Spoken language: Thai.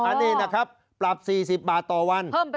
อันนี้นะครับปรับ๔๐บาทต่อวัน